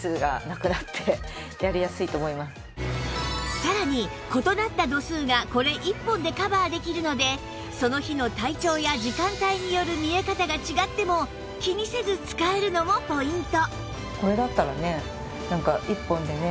さらに異なった度数がこれ１本でカバーできるのでその日の体調や時間帯による見え方が違っても気にせず使えるのもポイント！